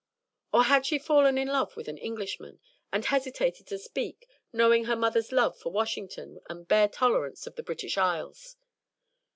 Or had she fallen in love with an Englishman, and hesitated to speak, knowing her mother's love for Washington and bare tolerance of the British Isles?